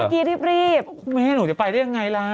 เมื่อกี้รีบไม่ให้หนูจะไปได้ยังไงล่ะ